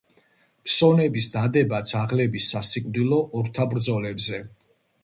ფსონების დადება ძაღლების სასიკვდილო ორთაბრძოლებზე.